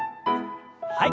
はい。